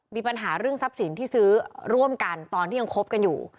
มีปัญหาเรื่องทรัพย์สินที่ซื้อร่วมกันตอนที่ยังคบกันอยู่